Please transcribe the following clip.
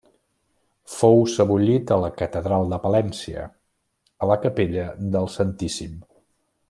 Fou sebollit a la catedral de Palència, a la capella del Santíssim.